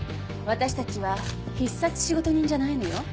私たちは必殺仕事人じゃないのよ？